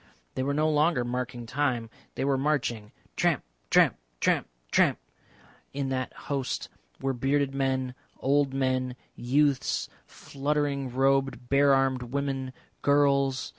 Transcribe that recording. They were no longer marking time, they were marching; tramp, tramp, tramp, tramp. In that host were bearded men, old men, youths, fluttering robed bare armed women, girls.